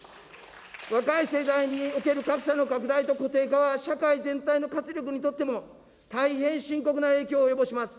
若い世代における格差の拡大と固定化は社会全体の活力にとっても大変深刻な影響を及ぼします。